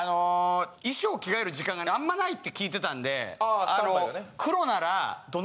衣装を着替える時間があんまないって聞いてたんでああスタンバイがね